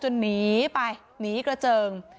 หนีไปหนีกระเจิง